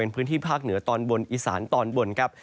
ก็จะมีการแผ่ลงมาแตะบ้างนะครับ